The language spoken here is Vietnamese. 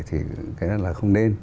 thì cái đó là không nên